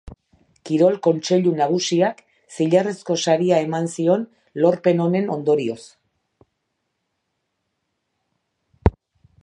Kirol Kontseilu Nagusiak zilarrezko saria eman zion lorpen honen ondorioz.